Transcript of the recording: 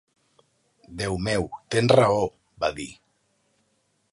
"Déu meu, tens raó", va dir.